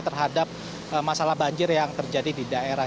terhadap masalah banjir yang terjadi di daerah